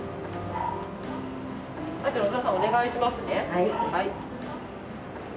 はい。